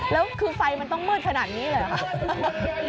แล้วคือไฟมันต้องมืดขนาดนี้เลยเหรอคะ